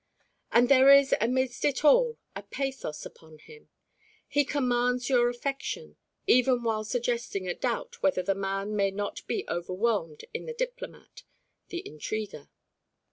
And there is amidst it all a pathos upon him. He commands your affection even while suggesting a doubt whether the man may not be overwhelmed in the diplomat, the intriguer.